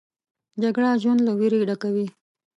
جګړه ژوند له ویرې ډکوي